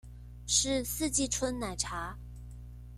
是四季春奶茶